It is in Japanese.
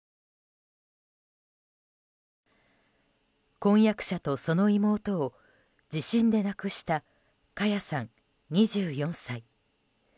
婚約者とその妹を地震で亡くしたカヤさん、２４歳。